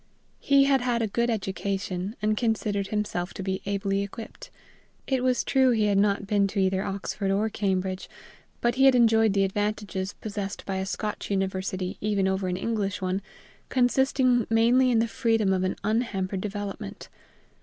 He had had a good education, and considered himself to be ably equipped. It was true he had not been to either Oxford or Cambridge, but he had enjoyed the advantages possessed by a Scotch university even over an English one, consisting mainly in the freedom of an unhampered development.